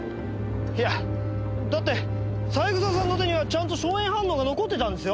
いやだって三枝さんの手にはちゃんと硝煙反応が残ってたんですよ？